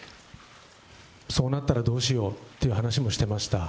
そうなったらどうしようという話もしてました。